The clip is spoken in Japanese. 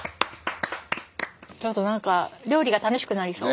ちょっと何か料理が楽しくなりそう。